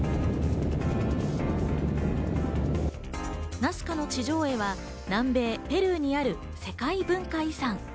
ナスカの地上絵は南米ペルーにある世界文化遺産。